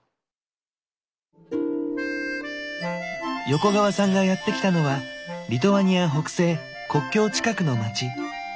横川さんがやって来たのはリトアニア北西国境近くの街